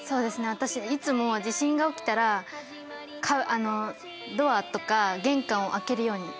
私いつも地震が起きたらドアとか玄関を開けるようにしてて。